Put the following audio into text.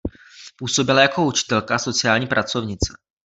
Působila jako učitelka a sociální pracovnice.